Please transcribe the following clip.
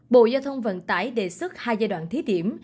bộ giao thông vận tải đề xuất hai giai đoạn thí điểm